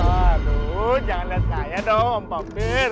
aduh jangan lihat saya dong pampir